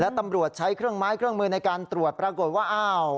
ตำรวจใช้เครื่องไม้เครื่องมือในการตรวจปรากฏว่าอ้าว